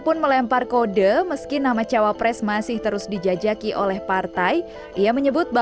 pun melempar kode meski nama cawapres masih terus dijajaki oleh partai ia menyebut